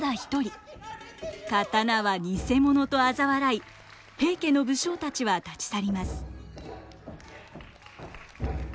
刀は偽物とあざ笑い平家の武将たちは立ち去ります。